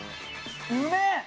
うめえ！